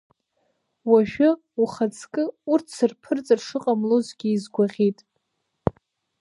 Уажәы, ухаҵкы, урҭ сырԥырҵыр шыҟамлозгьы изгәаӷьит.